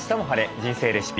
人生レシピ」。